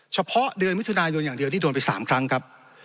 เฉพาะเดือนมิถุนายนอย่างเดียวที่โดนไป๓ครั้งครับ